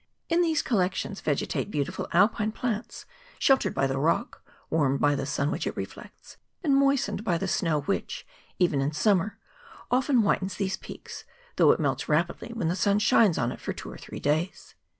In these collections vegetate beautiful Alpine plants, sheltered by the rock, warmed by the sun which it reflects, and moistened by the snow which, even in summer, often whitens these peaks, tliough it melts rapidly when the sun shines on it for two or three days.